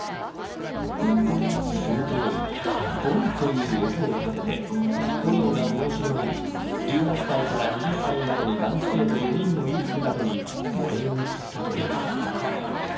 するとボンという音を立てて炎が燃え広がり１８歳から２０歳までの男子生徒４人の衣服などに燃え移ったといいます。